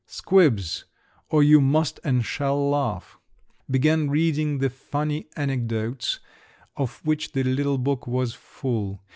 _" (Squibs; or you must and shall laugh!) began reading the funny anecdotes of which the little book was full.